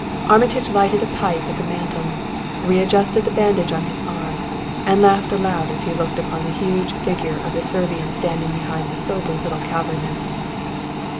Armitage lighted a pipe at the mantel, readjusted the bandage on his arm, and laughed aloud as he looked upon the huge figure of the Servian standing beside the sober little cavalryman.